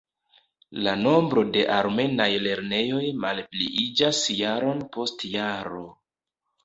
La nombro de armenaj lernejoj malpliiĝas jaron post jaro.